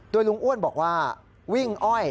ลุงอ้วนบอกว่าวิ่งอ้อย